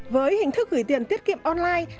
với hình thức gửi tiền tiết kiệm online